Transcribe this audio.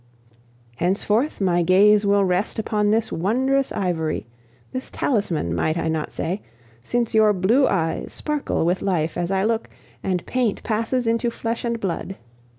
Henceforth my gaze will rest upon this wondrous ivory this talisman, might I not say? since your blue eyes sparkle with life as I look, and paint passes into flesh and blood.